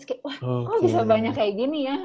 terus kayak wah kok bisa banyak kayak gini ya